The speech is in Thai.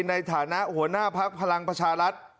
ในฐานะหัวหน้าภักดิ์พลังประชารัฐ